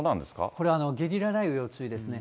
これゲリラ雷雨要注意ですね。